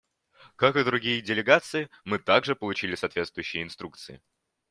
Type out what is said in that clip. Как и другие делегации, мы также получили соответствующие инструкции.